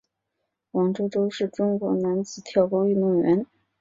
王舟舟是中国男子跳高运动员。